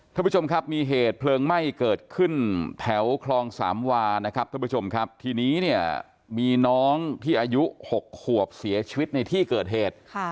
ท่านผู้ชมครับมีเหตุเพลิงไหม้เกิดขึ้นแถวคลองสามวานะครับท่านผู้ชมครับทีนี้เนี่ยมีน้องที่อายุ๖ขวบเสียชีวิตในที่เกิดเหตุ